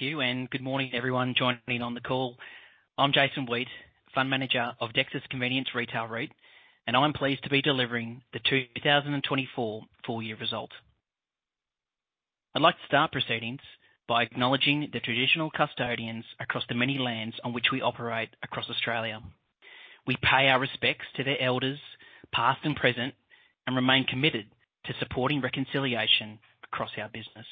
you, and good morning, everyone joining in on the call. I'm Jason Weate, Fund Manager of Dexus Convenience Retail REIT, and I'm pleased to be delivering the 2024 full-year results. I'd like to start proceedings by acknowledging the traditional custodians across the many lands on which we operate across Australia. We pay our respects to their elders, past and present, and remain committed to supporting reconciliation across our business.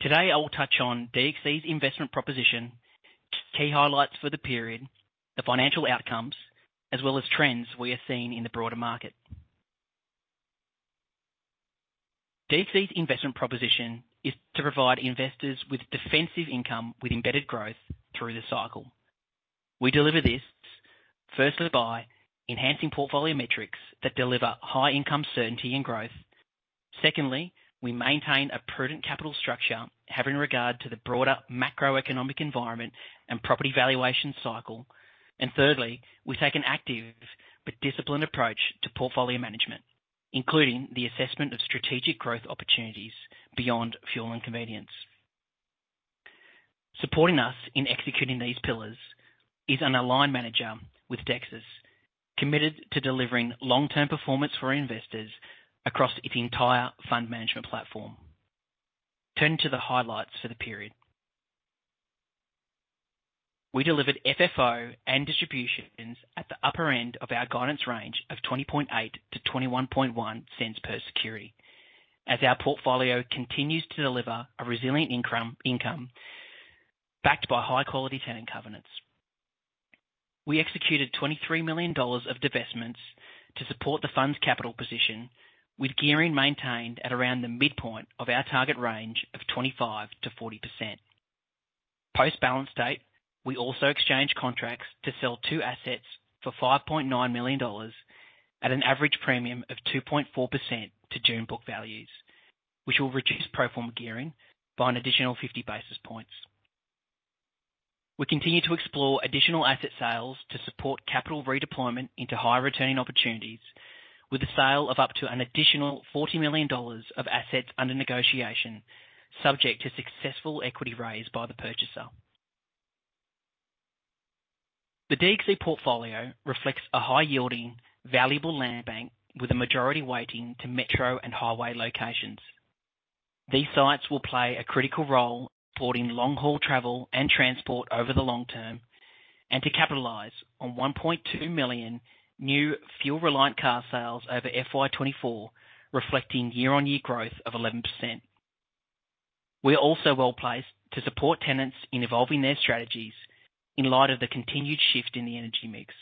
Today, I will touch on DXC's investment proposition, key highlights for the period, the financial outcomes, as well as trends we are seeing in the broader market. DXC's investment proposition is to provide investors with defensive income, with embedded growth through the cycle. We deliver this, firstly, by enhancing portfolio metrics that deliver high-income certainty and growth. Secondly, we maintain a prudent capital structure, having regard to the broader macroeconomic environment and property valuation cycle. And thirdly, we take an active but disciplined approach to portfolio management, including the assessment of strategic growth opportunities beyond fuel and convenience. Supporting us in executing these pillars is an aligned manager with Dexus, committed to delivering long-term performance for investors across its entire fund management platform. Turning to the highlights for the period. We delivered FFO and distributions at the upper end of our guidance range of 0.208-0.211 per security. As our portfolio continues to deliver a resilient income, backed by high-quality tenant covenants. We executed 23 million dollars of divestments to support the fund's capital position, with gearing maintained at around the midpoint of our target range of 25%-40%. Post-balance date, we also exchanged contracts to sell two assets for 5.9 million dollars at an average premium of 2.4% to June book values, which will reduce pro forma gearing by an additional 50 basis points. We continue to explore additional asset sales to support capital redeployment into higher returning opportunities, with the sale of up to an additional AUD 40 million of assets under negotiation, subject to successful equity raise by the purchaser. The DXC portfolio reflects a high-yielding, valuable land bank with a majority weighting to metro and highway locations. These sites will play a critical role in supporting long-haul travel and transport over the long term, and to capitalize on 1.2 million new fuel-reliant car sales over FY 2024, reflecting year-on-year growth of 11%. We are also well-placed to support tenants in evolving their strategies in light of the continued shift in the energy mix.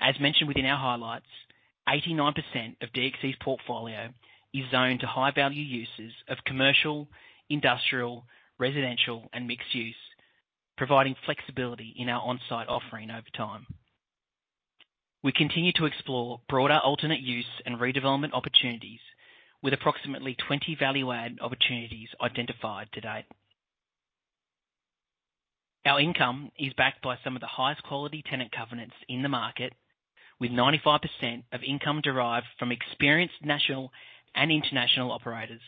As mentioned within our highlights, 89% of DXC's portfolio is zoned to high-value uses of commercial, industrial, residential, and mixed-use, providing flexibility in our on-site offering over time. We continue to explore broader alternate use and redevelopment opportunities with approximately 20 value-add opportunities identified to date. Our income is backed by some of the highest quality tenant covenants in the market, with 95% of income derived from experienced national and international operators.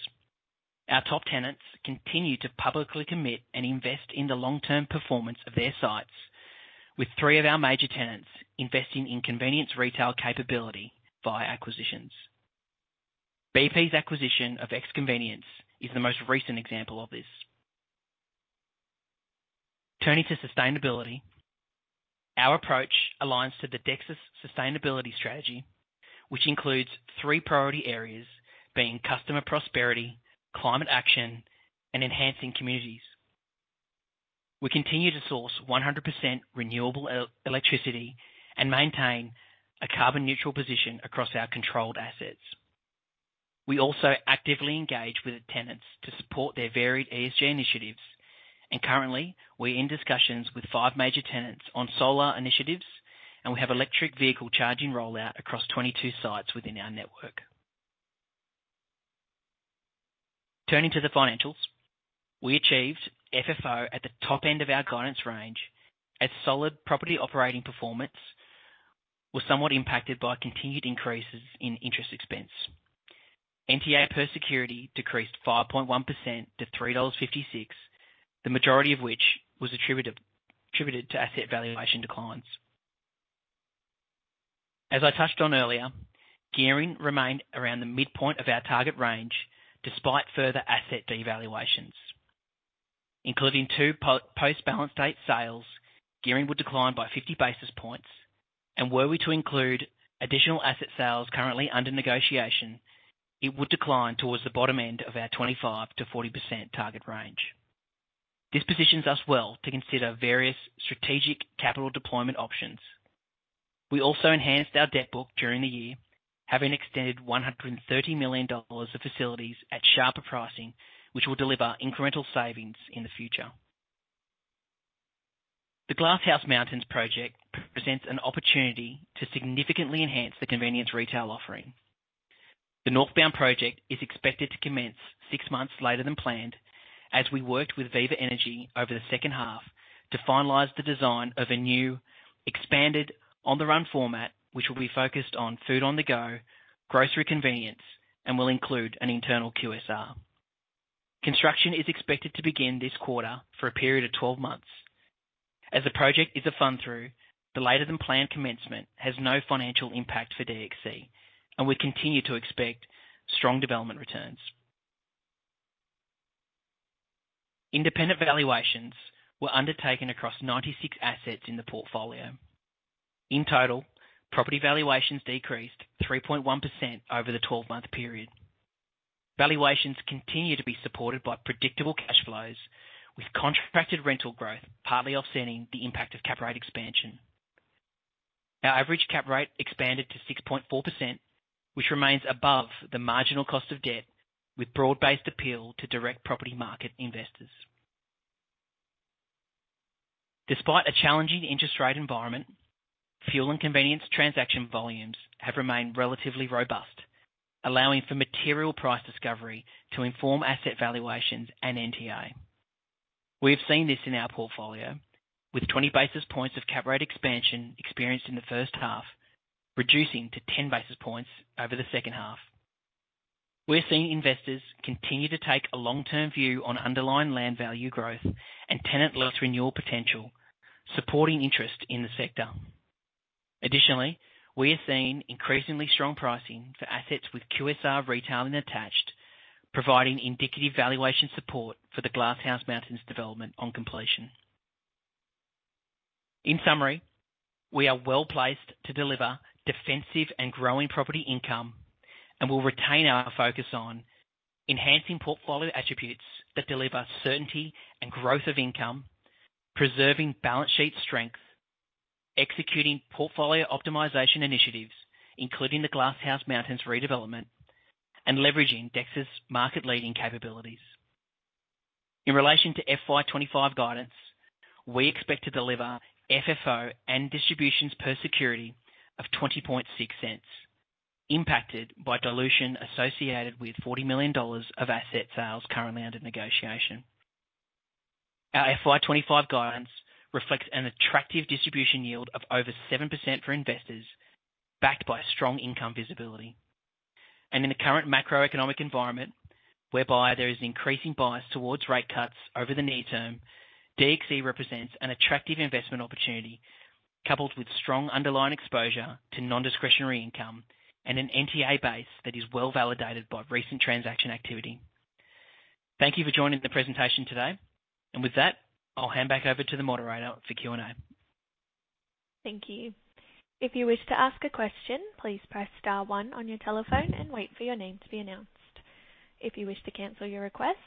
Our top tenants continue to publicly commit and invest in the long-term performance of their sites, with 3 of our major tenants investing in convenience retail capability via acquisitions. BP's acquisition of X Convenience is the most recent example of this. Turning to sustainability, our approach aligns to the Dexus sustainability strategy, which includes three priority areas, being customer prosperity, climate action, and enhancing communities. We continue to source 100% renewable electricity and maintain a carbon-neutral position across our controlled assets. We also actively engage with the tenants to support their varied ESG initiatives, and currently, we're in discussions with 5 major tenants on solar initiatives, and we have electric vehicle charging rollout across 22 sites within our network. Turning to the financials. We achieved FFO at the top end of our guidance range, as solid property operating performance was somewhat impacted by continued increases in interest expense. NTA per security decreased 5.1% to 3.56 dollars, the majority of which was attributed to asset valuation declines. As I touched on earlier, gearing remained around the midpoint of our target range despite further asset devaluations. Including 2 post-balance date sales, gearing will decline by 50 basis points, and were we to include additional asset sales currently under negotiation, it would decline towards the bottom end of our 25%-40% target range. This positions us well to consider various strategic capital deployment options. We also enhanced our debt book during the year, having extended 130 million dollars of facilities at sharper pricing, which will deliver incremental savings in the future. The Glass House Mountains project presents an opportunity to significantly enhance the convenience retail offering. The northbound project is expected to commence 6 months later than planned, as we worked with Viva Energy over the second half to finalize the design of a new, expanded On The Run format, which will be focused on food on the go, grocery convenience, and will include an internal QSR. Construction is expected to begin this quarter for a period of 12 months. As the project is a fund through, the later than planned commencement has no financial impact for DXC, and we continue to expect strong development returns. Independent valuations were undertaken across 96 assets in the portfolio. In total, property valuations decreased 3.1% over the 12-month period. Valuations continue to be supported by predictable cash flows, with contracted rental growth partly offsetting the impact of cap rate expansion. Our average cap rate expanded to 6.4%, which remains above the marginal cost of debt, with broad-based appeal to direct property market investors. Despite a challenging interest rate environment, fuel and convenience transaction volumes have remained relatively robust, allowing for material price discovery to inform asset valuations and NTA. We have seen this in our portfolio, with 20 basis points of cap rate expansion experienced in the first half, reducing to 10 basis points over the second half. We're seeing investors continue to take a long-term view on underlying land value growth and tenant loss renewal potential, supporting interest in the sector. Additionally, we are seeing increasingly strong pricing for assets with QSR retail attached, providing indicative valuation support for the Glass House Mountains development on completion. In summary, we are well placed to deliver defensive and growing property income and will retain our focus on enhancing portfolio attributes that deliver certainty and growth of income, preserving balance sheet strength, executing portfolio optimization initiatives, including the Glass House Mountains redevelopment, and leveraging Dexus' market-leading capabilities. In relation to FY 2025 guidance, we expect to deliver FFO and distributions per security of 0.206, impacted by dilution associated with 40 million dollars of asset sales currently under negotiation. Our FY 2025 guidance reflects an attractive distribution yield of over 7% for investors, backed by strong income visibility. In the current macroeconomic environment, whereby there is an increasing bias towards rate cuts over the near term, DXC represents an attractive investment opportunity, coupled with strong underlying exposure to non-discretionary income and an NTA base that is well-validated by recent transaction activity. Thank you for joining the presentation today, and with that, I'll hand back over to the moderator for Q&A. Thank you. If you wish to ask a question, please press star one on your telephone and wait for your name to be announced. If you wish to cancel your request,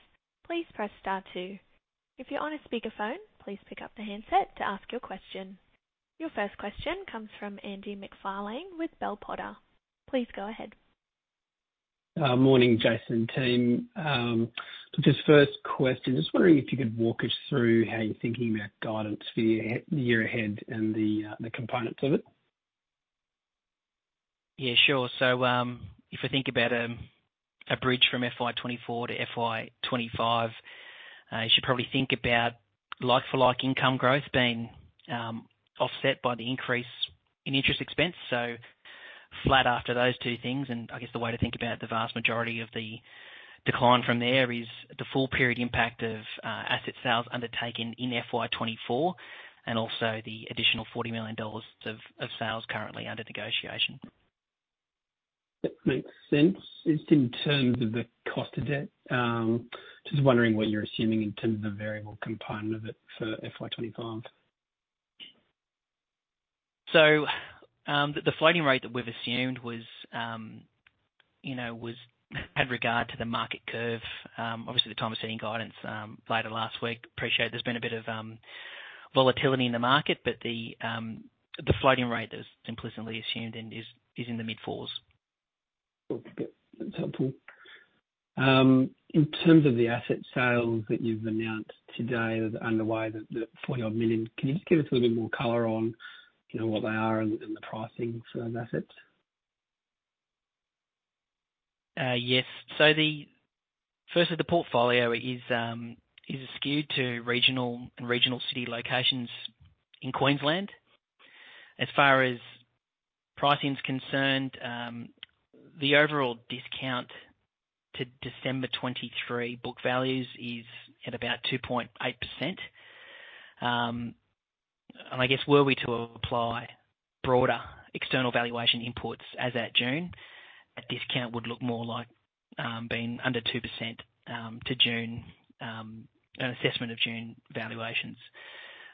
please press star two. If you're on a speakerphone, please pick up the handset to ask your question. Your first question comes from Andy MacFarlane with Bell Potter. Please go ahead. Morning, Jason team. Just first question, just wondering if you could walk us through how you're thinking about guidance for your year ahead and the, the components of it. Yeah, sure. So, if we think about a bridge from FY 2024 to FY 2025, you should probably think about like-for-like income growth being offset by the increase in interest expense, so flat after those two things, and I guess the way to think about the vast majority of the decline from there is the full period impact of asset sales undertaken in FY 2024, and also the additional 40 million dollars of sales currently under negotiation. That makes sense. Just in terms of the cost of debt, just wondering what you're assuming in terms of the variable component of it for FY 2025? So, the floating rate that we've assumed was, you know, had regard to the market curve. Obviously, the time of setting guidance, later last week. Appreciate there's been a bit of volatility in the market, but the floating rate is implicitly assumed and is in the mid-fours. Okay. That's helpful. In terms of the asset sales that you've announced today that are underway, the 40-odd million, can you just give us a little bit more color on, you know, what they are and the pricing for those assets? Yes. So, firstly, the portfolio is skewed to regional and regional city locations in Queensland. As far as pricing is concerned, the overall discount to December 2023 book values is at about 2.8%. And I guess were we to apply broader external valuation inputs as at June, a discount would look more like being under 2% to June, an assessment of June valuations.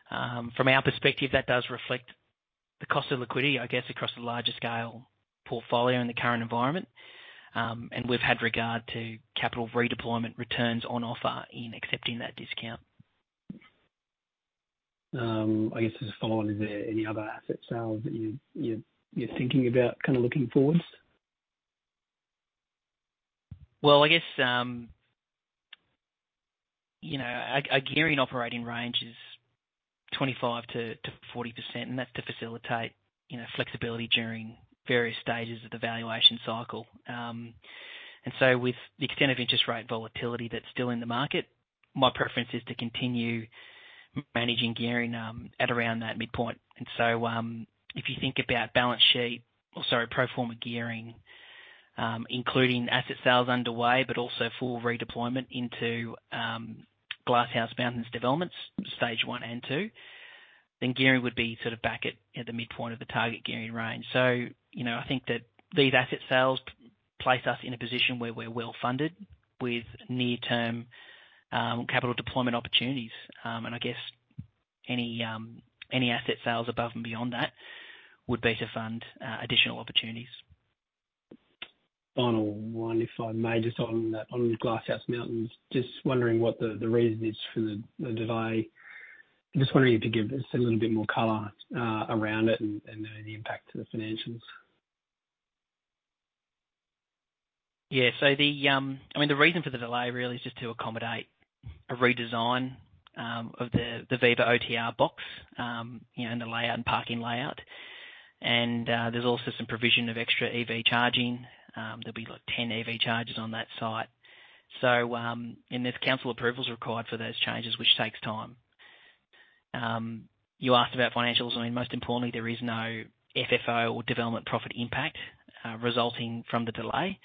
From our perspective, that does reflect the cost of liquidity, I guess, across the larger scale portfolio in the current environment, and we've had regard to capital redeployment returns on offer in accepting that discount. I guess just following, is there any other asset sales that you're thinking about kind of looking forward? Well, I guess, you know, our gearing operating range is 25%-40%, and that's to facilitate, you know, flexibility during various stages of the valuation cycle. And so with the extent of interest rate volatility that's still in the market. My preference is to continue managing gearing at around that midpoint. And so, if you think about balance sheet, or sorry, pro forma gearing, including asset sales underway, but also full redeployment into Glasshouse Mountains developments, stage one and two, then gearing would be sort of back at the midpoint of the target gearing range. So, you know, I think that these asset sales place us in a position where we're well-funded with near-term capital deployment opportunities. And I guess any asset sales above and beyond that would be to fund additional opportunities. Final one, if I may, just on that, on Glasshouse Mountains. Just wondering what the reason is for the delay. I'm just wondering if you could give us a little bit more color around it and the impact to the financials. Yeah. So, I mean, the reason for the delay really is just to accommodate a redesign of the Viva OTR box, you know, and the layout and parking layout. And, there's also some provision of extra EV charging. There'll be, like, 10 EV chargers on that site. So, and there's council approvals required for those changes, which takes time. You asked about financials. I mean, most importantly, there is no FFO or development profit impact resulting from the delay.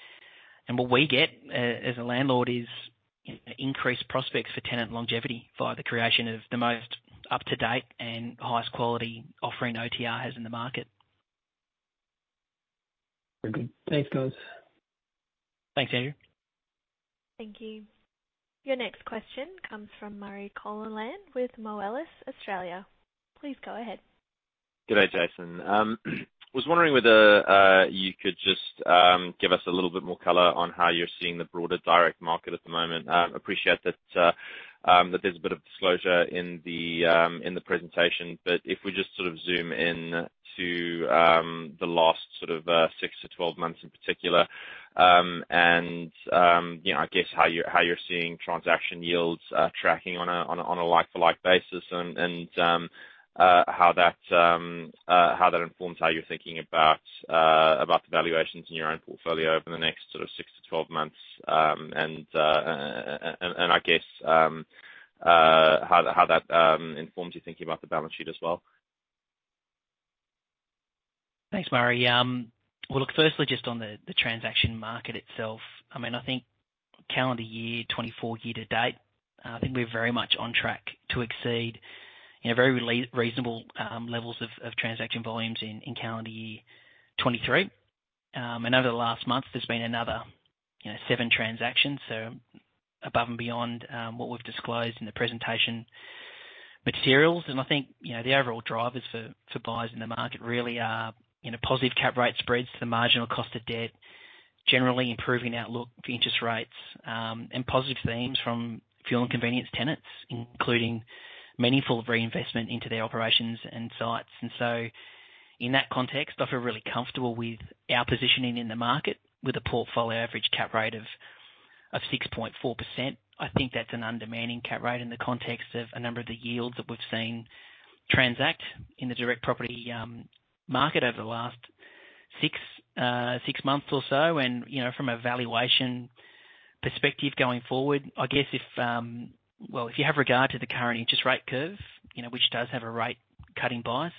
And what we get as a landlord is increased prospects for tenant longevity via the creation of the most up-to-date and highest quality offering OTR has in the market. Very good. Thanks, guys. Thanks, Andrew. Thank you. Your next question comes from Murray Conallin with Moelis Australia. Please go ahead. Good day, Jason. Was wondering whether you could just give us a little bit more color on how you're seeing the broader direct market at the moment. Appreciate that there's a bit of disclosure in the presentation. But if we just sort of zoom in to the last sort of 6-12 months in particular, and you know, I guess, how you're seeing transaction yields tracking on a like-for-like basis, and how that informs how you're thinking about the valuations in your own portfolio over the next sort of 6-12 months. And I guess how that informs you thinking about the balance sheet as well. Thanks, Murray. Well, look, firstly, just on the transaction market itself, I mean, I think calendar year 2024, year to date, I think we're very much on track to exceed, you know, very reasonable levels of transaction volumes in calendar year 2023. And over the last month, there's been another, you know, 7 transactions, so above and beyond what we've disclosed in the presentation materials. And I think, you know, the overall drivers for buyers in the market really are, you know, positive cap rate spreads to the marginal cost of debt, generally improving outlook for interest rates, and positive themes from fuel and convenience tenants, including meaningful reinvestment into their operations and sites. And so in that context, I feel really comfortable with our positioning in the market with a portfolio average cap rate of 6.4%. I think that's an undemanding cap rate in the context of a number of the yields that we've seen transact in the direct property market over the last six months or so. And, you know, from a valuation perspective going forward, I guess if, well, if you have regard to the current interest rate curve, you know, which does have a rate-cutting bias,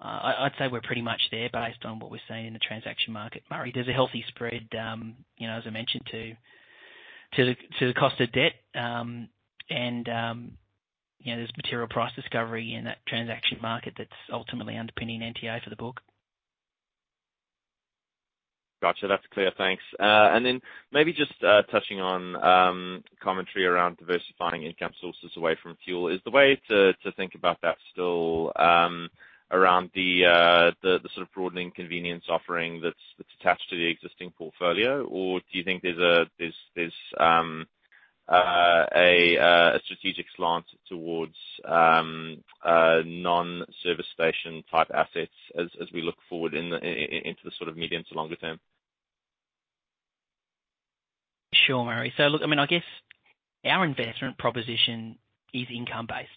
I'd say we're pretty much there based on what we're seeing in the transaction market. Murray, there's a healthy spread, you know, as I mentioned, to the cost of debt. And, you know, there's material price discovery in that transaction market that's ultimately underpinning NTA for the book. Gotcha. That's clear. Thanks. And then maybe just touching on commentary around diversifying income sources away from fuel, is the way to think about that still around the the sort of broadening convenience offering that's attached to the existing portfolio? Or do you think there's a strategic slant towards non-service station-type assets as we look forward into the sort of medium to longer term? Sure, Murray. So look, I mean, I guess our investment proposition is income-based.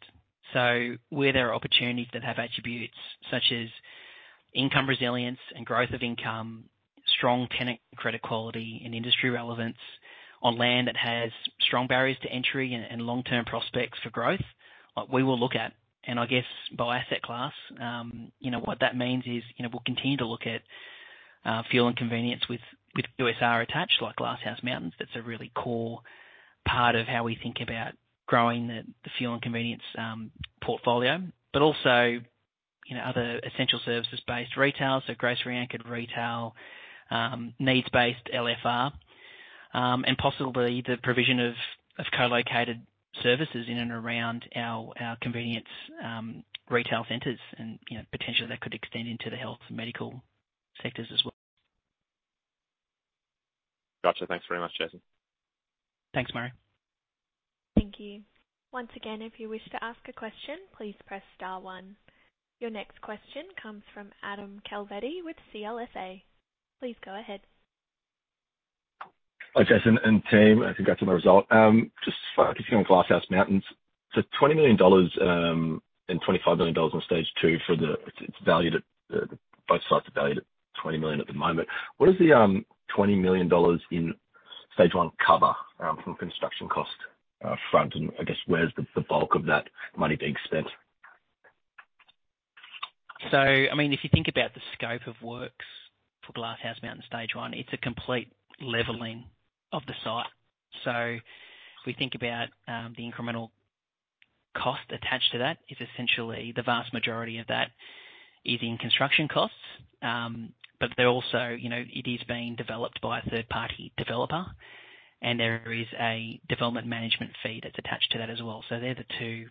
So where there are opportunities that have attributes such as income resilience and growth of income, strong tenant credit quality and industry relevance on land that has strong barriers to entry and long-term prospects for growth, we will look at, and I guess by asset class, you know, what that means is, you know, we'll continue to look at fuel and convenience with QSR attached, like Glasshouse Mountains. That's a really core part of how we think about growing the fuel and convenience portfolio, but also, you know, other essential services-based retail, so grocery-anchored retail, needs-based LFR, and possibly the provision of co-located services in and around our convenience retail centers, and, you know, potentially that could extend into the health and medical sectors as well. Gotcha. Thanks very much, Jason. Thanks, Murray. Thank you. Once again, if you wish to ask a question, please press star one. Your next question comes from Adam Calvetti with CLSA. Please go ahead. Hi, Jason and team, and congrats on the result. Just keeping on Glasshouse Mountains-... So 20 million dollars, and 25 million dollars on stage two for the, it's valued at, both sites are valued at 20 million at the moment. What does the, 20 million dollars in stage one cover, from a construction cost front? And I guess where's the bulk of that money being spent? So, I mean, if you think about the scope of works for Glasshouse Mountains stage one, it's a complete leveling of the site. So if we think about the incremental cost attached to that, is essentially the vast majority of that is in construction costs. But they're also, you know, it is being developed by a third-party developer, and there is a development management fee that's attached to that as well. So they're the two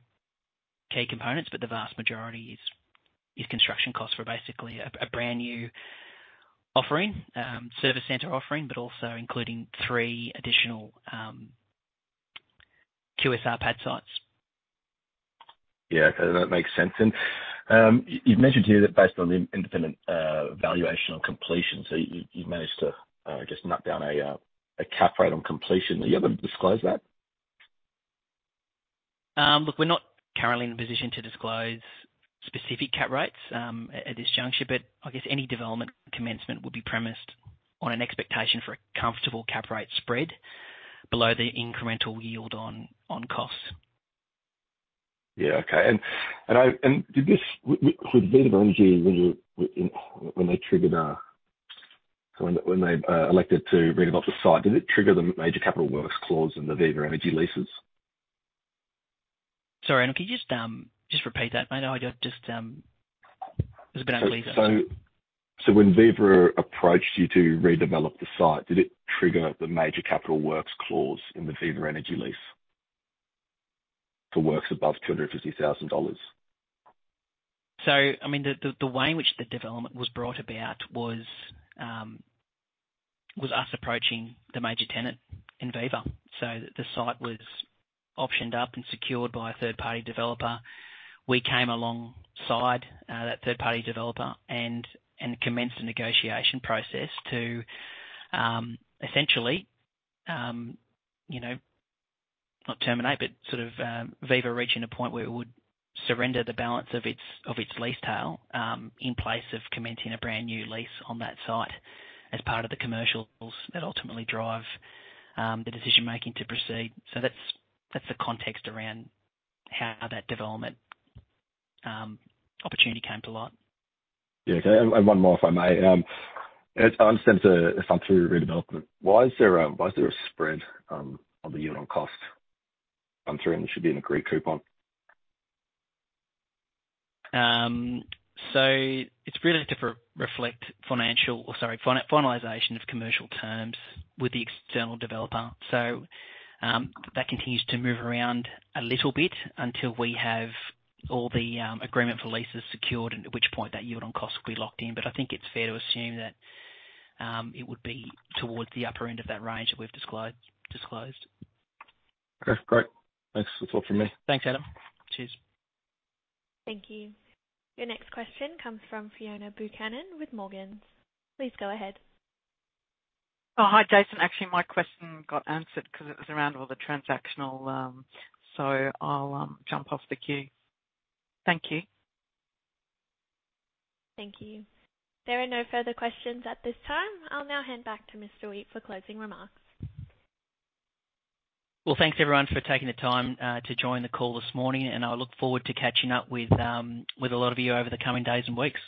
key components, but the vast majority is construction costs for basically a brand new offering, service center offering, but also including three additional QSR pad sites. Yeah, okay, that makes sense. And, you've mentioned here that based on the independent, valuation on completion, so you, you've managed to, just knock down a, a cap rate on completion. Are you able to disclose that? Look, we're not currently in a position to disclose specific cap rates at this juncture, but I guess any development commencement would be premised on an expectation for a comfortable cap rate spread below the incremental yield on costs. Yeah, okay. And did this with Viva Energy, when they elected to redevelop the site, did it trigger the major capital works clause in the Viva Energy leases? Sorry, Adam, can you just, just repeat that? I know I just, it's been a bit late. So, when Viva approached you to redevelop the site, did it trigger the major capital works clause in the Viva Energy lease for works above 250,000 dollars? So, I mean, the way in which the development was brought about was us approaching the major tenant in Viva. So the site was optioned up and secured by a third-party developer. We came alongside that third-party developer and commenced the negotiation process to essentially, you know, not terminate, but sort of Viva reaching a point where it would surrender the balance of its lease tail in place of commencing a brand new lease on that site as part of the commercials that ultimately drive the decision-making to proceed. So that's the context around how that development opportunity came to light. Yeah, okay. And one more, if I may. As I understand, it's a fund through redevelopment. Why is there a spread on the yield on cost, and it should be the cap rate? So it's really to reflect finalization of commercial terms with the external developer. So, that continues to move around a little bit until we have all the agreement for leases secured, and at which point that yield on cost will be locked in. But I think it's fair to assume that it would be towards the upper end of that range that we've disclosed. Okay, great. Thanks. That's all from me. Thanks, Adam. Cheers. Thank you. Your next question comes from Fiona Buchanan with Morgans. Please go ahead. Oh, hi, Jason. Actually, my question got answered because it was around all the transactional, so I'll jump off the queue. Thank you. Thank you. There are no further questions at this time. I'll now hand back to Mr. Weate for closing remarks. Well, thanks, everyone, for taking the time to join the call this morning, and I look forward to catching up with a lot of you over the coming days and weeks.